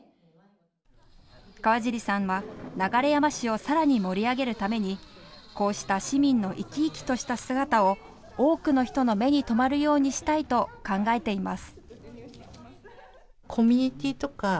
河尻さんは流山市をさらに盛り上げるためにこうした市民の生き生きとした姿を多くの人の目に留まるようにしたいと考えています。